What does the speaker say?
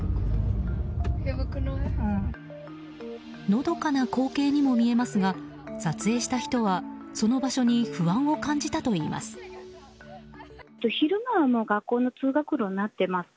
のどかな光景にも見えますが撮影した人はその場所に不安を感じたといいます。